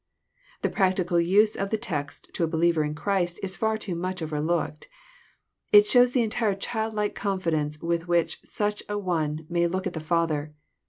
The practical use of the text to a believer in Christ is far too much overlooked. It shows the entire childlike confidence with which such an one may look at the Father.